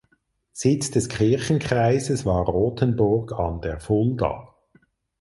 Sitz des Kirchenkreises war Rotenburg an der Fulda.